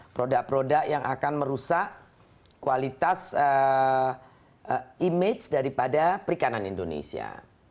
produk produk yang akan merusak kualitas image daripada perikanan indonesia